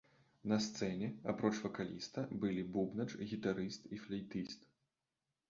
На сцэне, апроч вакаліста, былі бубнач, гітарыст і флейтыст.